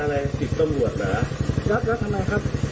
รับรับทำไมครับ